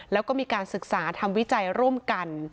แล้วก็มีการศึกษาทำวิจัยร่วมกัน